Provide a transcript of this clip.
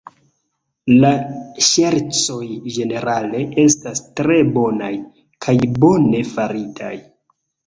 La ŝercoj ĝenerale estas tre bonaj, kaj bone faritaj.